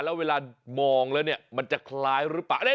แล้วเวลามองแล้วเนี่ยมันจะคล้ายหรือเปล่า